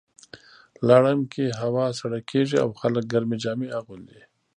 لړم کې هوا سړه کیږي او خلک ګرمې جامې اغوندي.